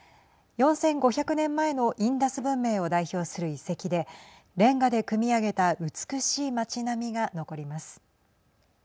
４５００年前のインダス文明を代表する遺跡でれんがでくみ上げた美しい町並みが残ります。